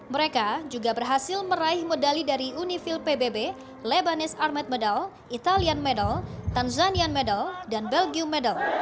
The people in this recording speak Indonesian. mereka juga berhasil meraih medali dari unifil pbb lebanes armat medal italian medal tanzanian medal dan belgium medel